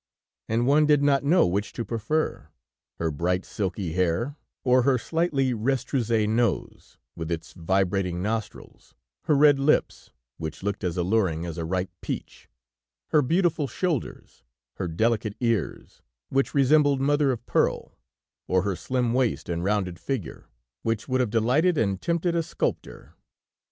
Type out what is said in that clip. And one did not know which to prefer her bright, silky hair, or her slightly restroussé nose, with its vibrating nostrils, her red lips, which looked as alluring as a ripe peach, her beautiful shoulders, her delicate ears, which resembled mother of pearl, or her slim waist and rounded figure, which would have delighted and tempted a sculptor.